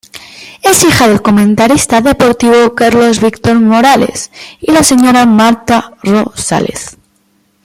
Es hija del comentarista deportivo Carlos Víctor Morales y la señora Martha Rosales.